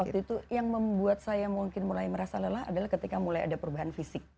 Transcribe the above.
waktu itu yang membuat saya mungkin mulai merasa lelah adalah ketika mulai ada perubahan fisik